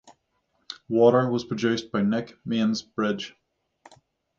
"Water" was produced by Nick Mainsbridge.